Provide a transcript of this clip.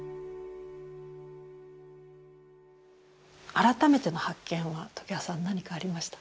改めての発見は常盤さん何かありました？